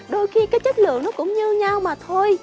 đôi khi cái chất lượng nó cũng như nhau mà thôi